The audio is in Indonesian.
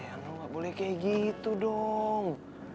eh lo gak boleh kayak gitu dong